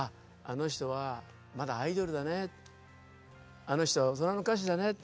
あの人はまだアイドルだねってあの人は大人の歌手だね